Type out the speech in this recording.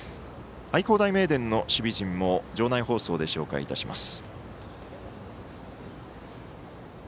愛工大名電の守備陣も場内放送で紹介いたします。